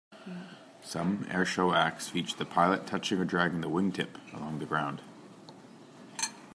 Some airshow acts feature the pilot touching or dragging the wingtip along the ground.